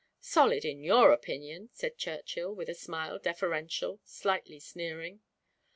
"Solid in your opinion," said Churchill, with a smile deferential, slightly sneering.